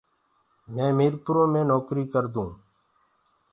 مینٚ ميٚرپرو مي نوڪريٚ ڪردوٚنٚ۔